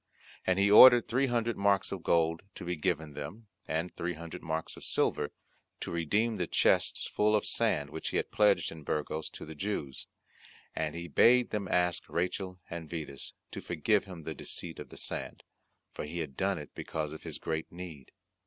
And he ordered three hundred marks of gold to be given them, and three hundred marks of silver, to redeem the chests full of sand which he had pledged in Burgos to the Jews; and he bade them ask Rachel and Vidas to forgive him the deceit of the sand, for he had done it because of his great need.